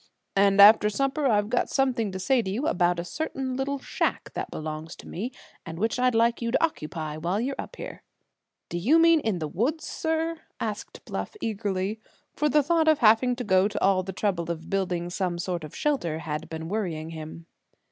"And after supper I've got something to say to you about a certain little shack that belongs to me, and which I'd like you to occupy while you're up here." "Do you mean in the woods, sir?" asked Bluff eagerly, for the thought of having to go to all the trouble of building some sort of shelter had been worrying him.